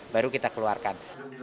baru kita keluarkan